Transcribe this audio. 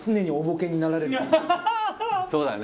そうだね。